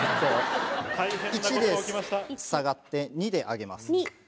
１で下がって２で上げます。